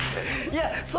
いや。